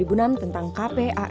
yang mengatur tentang perubahan hiv